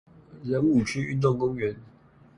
仁武區運動公園